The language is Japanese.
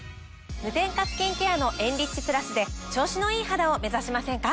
無添加スキンケアのエンリッチプラスで調子のいい肌を目指しませんか？